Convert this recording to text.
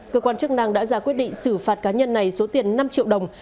cơ quan chức năng đã ra quyết định xử phạt cá nhân này số tiền năm triệu đồng